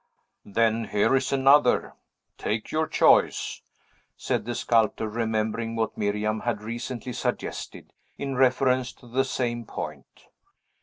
"Then here is another; take your choice!" said the sculptor, remembering what Miriam had recently suggested, in reference to the same point.